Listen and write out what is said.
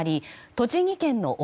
栃木県の奥